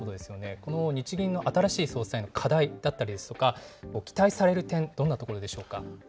この日銀の新しい総裁の課題だったりですとか、期待される点、どんなところでしょうか。